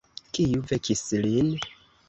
Kiu vekis lin?